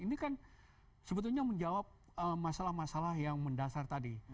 ini kan sebetulnya menjawab masalah masalah yang mendasar tadi